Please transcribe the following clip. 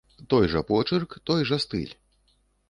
Той жа почырк, той жа стыль.